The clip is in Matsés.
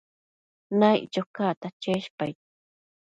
Naiccho cacta cheshpaid